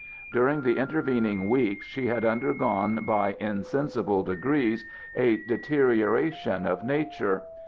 During the intervening weeks she had undergone by insensible degrees a deterioration of nature.